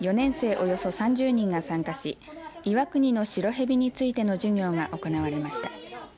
およそ３０人が参加し岩国のシロヘビについての授業が行われました。